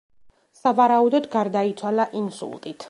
სავარაუდოდ გარდაიცვალა ინსულტით.